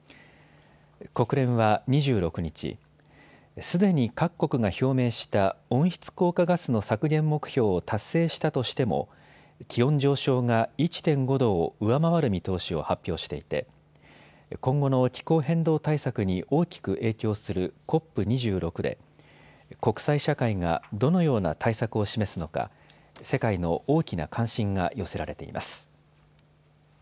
国連は２６日、すでに各国が表明した温室効果ガスの削減目標を達成したとしても気温上昇が１．５度を上回る見通しを発表していて今後の気候変動対策に大きく影響するＣＯＰ２６で国際社会がどのような対策を示すのか世界の大きな関心が寄せられています。